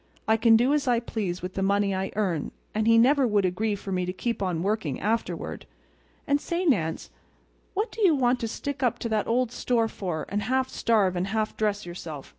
I can do as I please with the money I earn; and he never would agree for me to keep on working afterward. And say, Nance, what do you want to stick to that old store for, and half starve and half dress yourself?